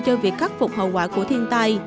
cho việc khắc phục hậu quả của thiên tai